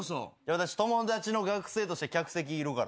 私、友達の学生として客席いるから。